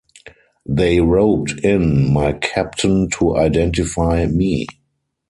They roped in my captain to identify me.